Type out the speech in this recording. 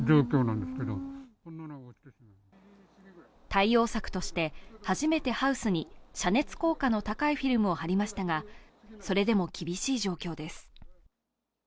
対応策として初めてハウスに遮熱効果の高いフィルムを貼りましたがそれでも厳しい状況です。